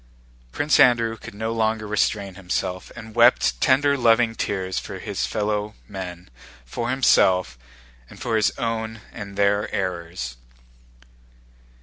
Prince Andrew could no longer restrain himself and wept tender loving tears for his fellow men, for himself, and for his own and their errors.